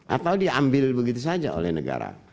atau diambil begitu saja oleh negara